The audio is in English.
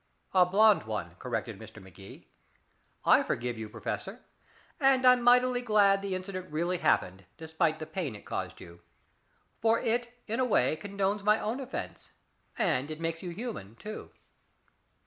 "A blond one," corrected Mr. Magee. "I forgive you, Professor. And I'm mighty glad the incident really happened, despite the pain it caused you. For it in a way condones my own offense and it makes you human, too."